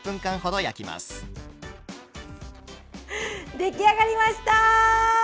出来上がりました！